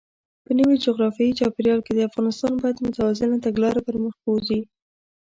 په نوي جغرافیايي چاپېریال کې، افغانستان باید متوازنه تګلاره پرمخ بوځي.